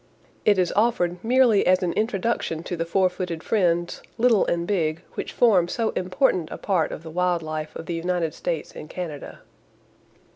It is offered merely as an introduction to the four footed friends, little and big, which form so important a part of the wild life of the United States and Canada.